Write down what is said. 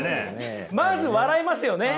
まず笑いますよね。